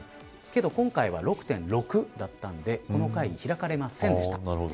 けれど、今回は６．６だったのでこの会議、開かれませんでした。